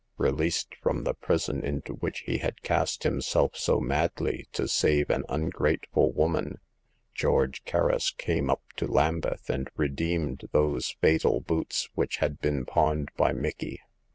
Released from the prison into which he had cast himself so madly to save an ungrateful woman, George Kerris came up to Lambeth and redeemed those fatal boots which had been pawned by Micky.